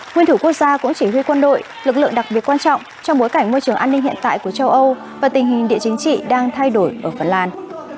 nguyên thủ quốc gia cũng chỉ huy quân đội lực lượng đặc biệt quan trọng trong bối cảnh môi trường an ninh hiện tại của châu âu và tình hình địa chính trị đang thay đổi ở phần lan